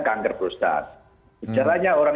kanker prostat caranya orang